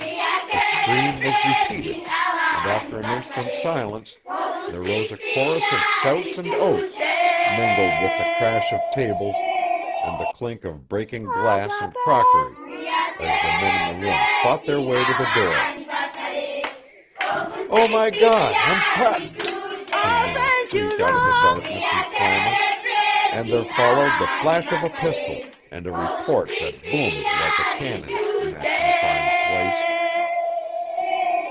The scream was repeated, and after an instant's silence there rose a chorus of shouts and oaths, mingled with the crash of tables and the clink of breaking glass and crockery, as the men in the room fought their way to the door. "Oh, my God, I'm cut!" came in a shriek out of the darkness and clamor; and there followed the flash of a pistol and a report that boomed like a cannon in that confined place.